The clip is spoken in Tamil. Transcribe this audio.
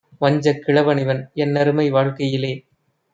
வஞ்சக் கிழவனிவன் என்னருமை வாழ்க்கையிலே